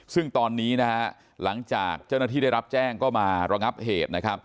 ซึ่งตอนนี้นะฮะหลังจากเจ้าหน้าที่ได้รับแจ้งก็มาระงับเหตุนะครับ